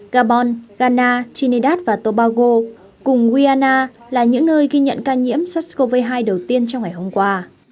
gabon ghana trinidad và tobago cùng guyana là những nơi ghi nhận ca nhiễm sars cov hai đầu tiên trong ngày hôm qua